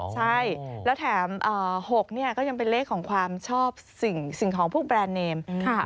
ใช่แล้วแถม๖เนี่ยก็ยังเป็นเลขของความชอบสิ่งของพวกแบรนด์เนม